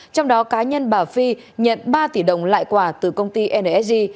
trong đó cá nhân bà phi nhận ba tỷ đồng lại quả từ công ty nsg